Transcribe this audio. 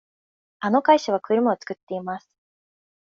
あの会社は車を作っています。